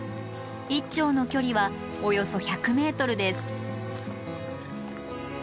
一町の距離はおよそ１００ｍです。